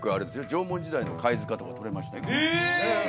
縄文時代の貝塚とかとれましたよええ！